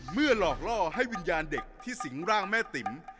หลอกล่อให้วิญญาณเด็กที่สิงร่างแม่ติ๋ม